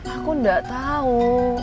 aku gak tau